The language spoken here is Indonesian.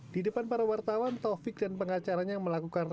di depan para wartawan taufik dan pengacaranya melakukan rambut